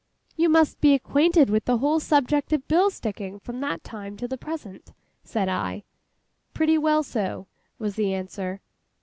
'You must be acquainted with the whole subject of bill sticking, from that time to the present!' said I. 'Pretty well so,' was the answer.